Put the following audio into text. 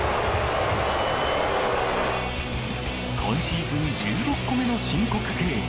今シーズン、１６個目の申告敬遠。